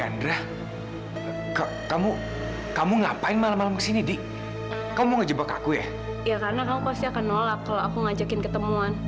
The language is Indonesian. sampai jumpa di video selanjutnya